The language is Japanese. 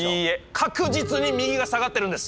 確実に右が下がってるんです！